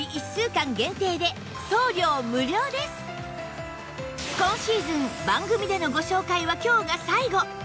さらに今シーズン番組でのご紹介は今日が最後！